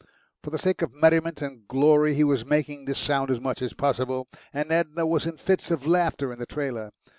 For the sake of merriment and glory he was making this sound as much as possible, and Edna was in fits of laughter in the trailer.